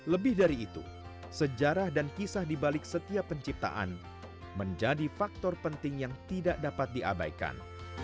lebih dari itu sejarah dan kisah dibalik setiap penciptaan menjadi faktor penting yang tidak dapat diabaikan